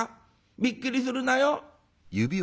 びっくりするなよ。